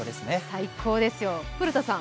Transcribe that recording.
最高ですよ、古田さん